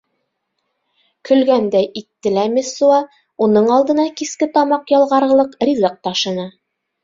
Көлгәндәй итте лә Мессуа уның алдына киске тамаҡ ялғарлыҡ ризыҡ ташыны.